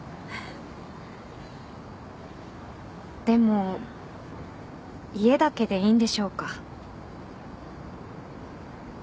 でも家だけでいいんでしょうか。